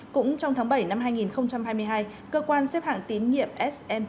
cũng trong tháng bảy năm hai nghìn hai mươi hai cơ quan xếp hạng tín nhiệm sm